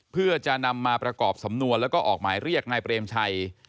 เพื่อจะนำมาประกอบสำนวนแล้วก็ออกหมายเรียกนายเปรมชัย